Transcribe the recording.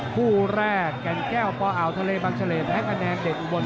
คู่แรกกันแก้วปออาวทะเลบังชะเลแพะคะแนนเด็ดอุบล